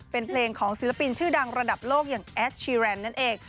เป็นเพลงของศิลปินชื่อดังระดับโลกอย่างแอชีแรนด์นั่นเอง